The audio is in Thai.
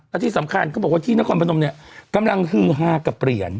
และที่สำคัญเขาบอกว่าที่นครพนมเนี่ยกำลังฮือฮากับเหรียญ